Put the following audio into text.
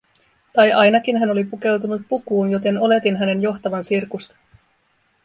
Tai ainakin hän oli pukeutunut pukuun, joten oletin hänen johtavan sirkusta.